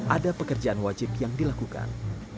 ada pekerjaan wajib yang dilakukan